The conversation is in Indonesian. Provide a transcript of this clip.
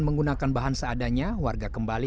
melahirkan langsung atau gimana